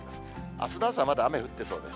あすの朝、まだ雨降ってそうです。